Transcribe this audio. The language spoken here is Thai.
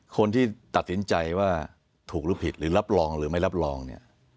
คนที่ตัดสินใจว่าถูกหรือผิดหรือรับรองหรือไม่รับรองเนี่ย